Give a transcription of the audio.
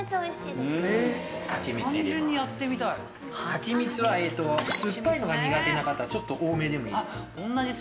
はちみつは酸っぱいのが苦手な方ちょっと多めでもいい。